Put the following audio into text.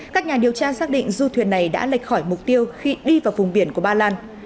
các nhà điều tra xác định du thuyền này đã lệch khỏi mục tiêu khi đi vào vùng biển của ba lan